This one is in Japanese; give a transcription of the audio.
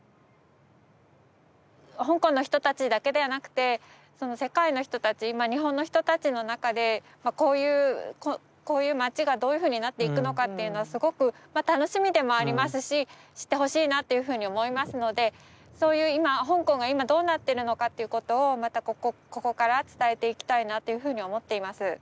香港の人たちだけではなくてその世界の人たちまあ日本の人たちの中でこういうこういう街がどういうふうになっていくのかっていうのはすごくまあ楽しみでもありますし知ってほしいなというふうに思いますのでそういう香港が今どうなってるのかということをまたここから伝えていきたいなというふうに思っています。